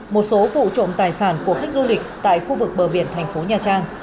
một số vụ trộm tài sản của khách du lịch tại khu vực bờ biển thành phố nhà trang